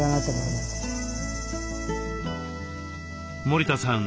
森田さん